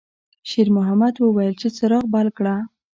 شېرمحمد وویل چې څراغ بل کړه.